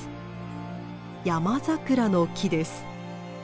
ヤマザクラの木です。